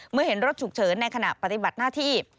เห็นรถฉุกเฉินในขณะปฏิบัติหน้าที่